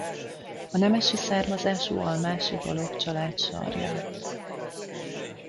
A nemesi származású almási Balogh család sarja.